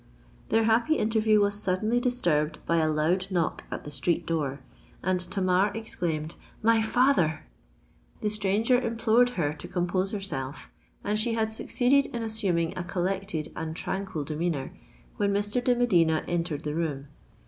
Their happy interview was suddenly disturbed by a loud knock at the street door; and Tamar exclaimed, "My father!" The stranger implored her to compose herself; and she had succeeded in assuming a collected and tranquil demeanour, when Mr. de Medina entered the room.